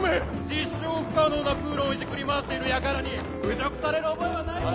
実証不可能な空論をいじくり回している輩に侮辱される覚えはないぞ！